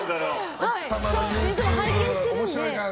いつも拝見してるので。